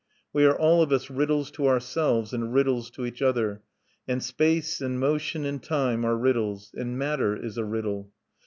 We are all of us riddles to ourselves and riddles to each other; and space and motion and time are riddles; and matter is a riddle.